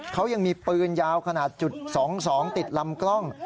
เขายังมีปืนยาวขนาดจุด๒๒ติดลำกล้อง